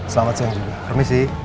selamat siang juga permisi